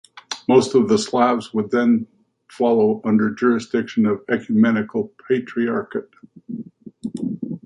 Most of the Slavs would then follow under jurisdiction of the Ecumenical Patriarchate.